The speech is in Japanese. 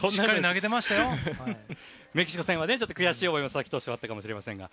メキシコ戦は悔しい思いも佐々木投手はあったかもしれませんが。